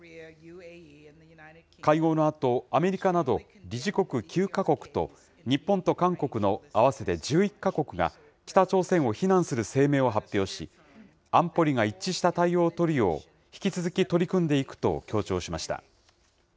会合のあと、アメリカなど理事国９か国と、日本と韓国の合わせて１１か国が、北朝鮮を非難する声明を発表し、安保理が一致した対応を取るよう引き続き取り組んでいくと強調しました。